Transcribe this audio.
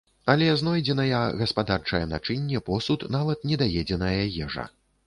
Але знойдзеная гаспадарчае начынне, посуд, нават недаедзеная ежа.